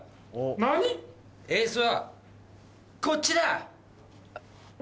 何⁉エースはこっちだ！